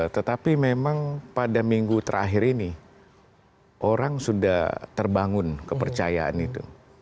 tetapi memang pada minggu terakhir ini orang sudah terbangun kepercayaan itu